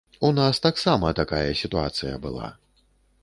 У нас таксама такая сітуацыя была.